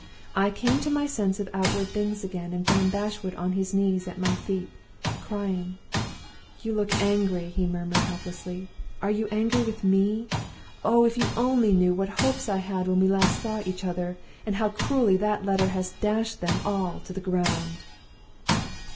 I came to my sense of outward things again, and found Bashwood on his knees at my feet, crying. "'You look angry,' he murmured, helplessly. 'Are you angry with me? Oh, if you only knew what hopes I had when we last saw each other, and how cruelly that letter has dashed them all to the ground!